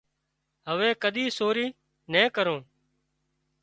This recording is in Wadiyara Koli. هوي ڪۮي سوري نين ڪرون